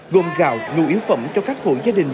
gồm gạo nhu yếu phẩm cho các hộ gia đình